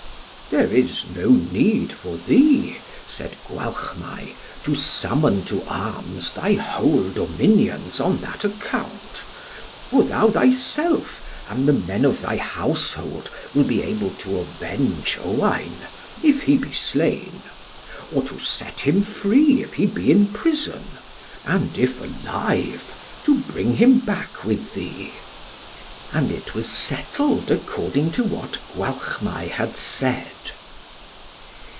"There is no need for thee," said Gwalchmai, "to summon to arms thy whole dominions, on that account; for thou thyself, and the men of thy household, will be able to avenge Owain, if he be slain; or to set him free, if he be in prison; and if alive, to bring him back with thee." And it was settled, according to what Gwalchmai had said.